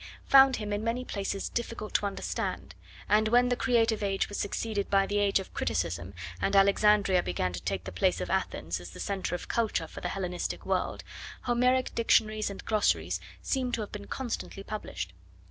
found him in many places difficult to understand, and when the creative age was succeeded by the age of criticism and Alexandria began to take the place of Athens as the centre of culture for the Hellenistic world, Homeric dictionaries and glossaries seem to have been constantly published.